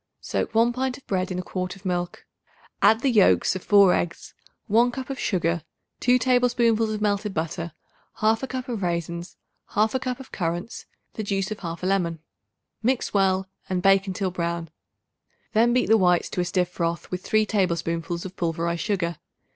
Soak 1 pint of bread in a quart of milk; add the yolks of 4 eggs, 1 cup of sugar, 2 tablespoonfuls of melted butter, 1/2 cup of raisins, 1/2 cup of currants, the juice of 1/2 lemon. Mix well and bake until brown; then beat the whites to a stiff froth with 3 tablespoonfuls of pulverized sugar.